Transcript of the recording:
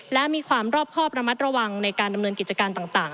และมีความรอบครอบระมัดระวังในการดำเนินกิจการต่าง